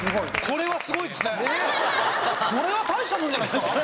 これは大したもんじゃないですか？